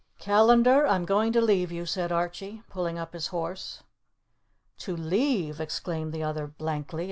"Callandar, I am going to leave you," said Archie, pulling up his horse. "To leave?" exclaimed the other blankly.